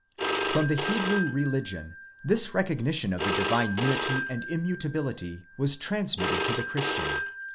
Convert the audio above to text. From the Hebrew religion, this recognition of the divine unity and immu tability was transmitted to the Christian.